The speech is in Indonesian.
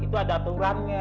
itu ada aturannya